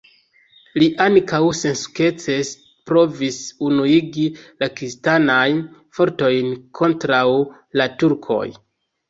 Li ankaŭ sensukcese provis unuigi la kristanajn fortojn kontraŭ la Turkoj.